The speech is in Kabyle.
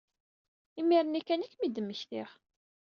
Imir-nni kan ay kem-id-mmektiɣ.